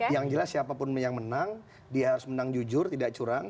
yang jelas siapapun yang menang dia harus menang jujur tidak curang